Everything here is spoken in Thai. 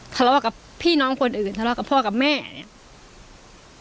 ทะเลาะกับพี่น้องคนอื่นทะเลาะกับพ่อกับแม่เนี่ย